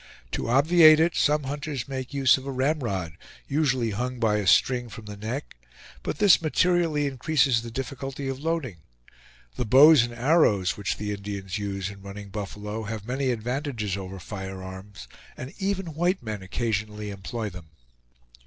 To obviate it, some hunters make use of a ramrod, usually hung by a string from the neck, but this materially increases the difficulty of loading. The bows and arrows which the Indians use in running buffalo have many advantages over fire arms, and even white men occasionally employ them.